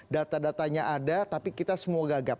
data datanya ada tapi kita semua gagap